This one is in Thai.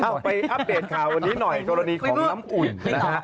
อัปเดตข่ามิกันหน่อยโรงหนือกรณีของน้ำอุ่นนะครับ